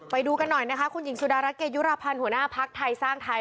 ไปดูกันหน่อยนะคะคุณหญิงสุดารัฐเกยุรพันธ์หัวหน้าภักดิ์ไทยสร้างไทย